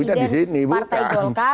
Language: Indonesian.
oh pak pilihnya di sini bukan